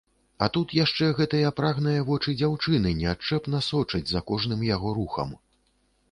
А тут яшчэ гэтыя прагныя вочы дзяўчыны неадчэпна сочаць за кожным яго рухам.